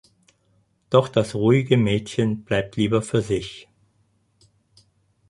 Doch das ruhige Mädchen bleibt lieber für sich.